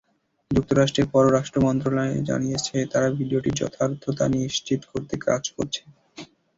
যুক্তরাষ্ট্রের পররাষ্ট্র মন্ত্রণালয় জানিয়েছে, তারা ভিডিওটির যথার্থতা নিশ্চিত করতে কাজ করছে।